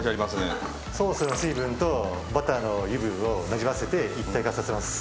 ソースの水分とバターの油分をなじませて一体化させます。